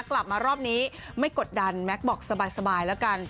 กลับมารอบนี้ไม่กดดันแม็กซ์บอกสบายแล้วกัน